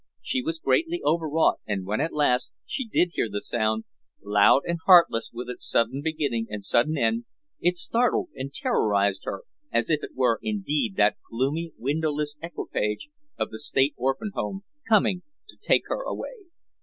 She was greatly overwrought and when at last she did hear the sound, loud and heartless with its sudden beginning and sudden end, it startled and terrorized her as if it were indeed that gloomy, windowless equipage of the State Orphan Home, coming to take her away.